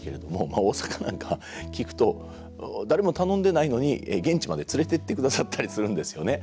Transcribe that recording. まあ大阪なんかは聞くと誰も頼んでないのに現地まで連れてってくださったりするんですよね。